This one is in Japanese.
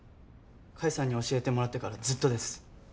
甲斐さんに教えてもらってからずっとです。